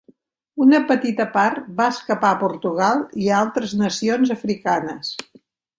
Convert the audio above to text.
Una petita part va escapar a Portugal o a altres nacions africanes.